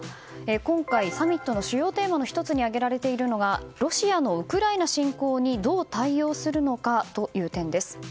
今回、サミットの主要テーマの１つに挙げられているのがロシアのウクライナ侵攻にどう対応するのかという点です。